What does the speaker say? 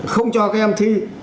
không cho các em thi